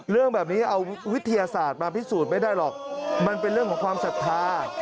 เรื่องแบบนี้เอาวิทยาศาสตร์มาพิสูจน์ไม่ได้หรอกมันเป็นเรื่องของความศรัทธา